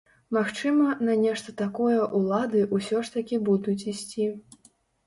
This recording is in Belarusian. Магчыма, на нешта такое ўлады ўсё ж такі будуць ісці.